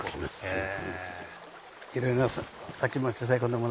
へぇ。